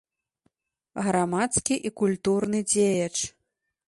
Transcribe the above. Грамадскі і культурны дзеяч.